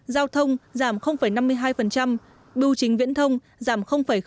giao thông giảm năm mươi hai đu chính viễn thông giảm năm